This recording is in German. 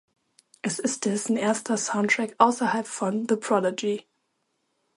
Es ist dessen erster Soundtrack außerhalb von The Prodigy.